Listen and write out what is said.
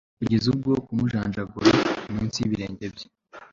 Kugeza ubwo kumujanjagura munsi yibirenge bye